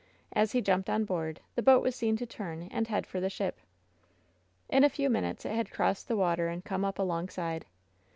As he jumped on board, the boat was seen to turn and head for the ship. In a few minutes it had crossed the water and come up alongside.